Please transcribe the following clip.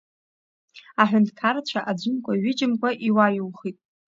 Аҳәынҭқарцәа аӡәымкәа ҩыџьамкәа иуаҩухит.